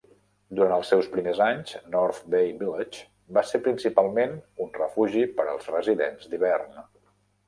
Durant els seus primers anys, North Bay Village va ser principalment un refugi per als residents d'hivern.